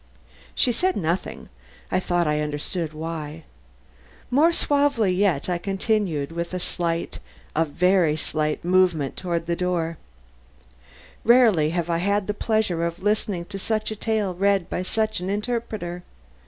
She said nothing; I thought I understood why. More suavely yet, I continued, with a slight, a very slight movement toward the door: "Rarely have I had the pleasure of listening to such a tale read by such an interpreter.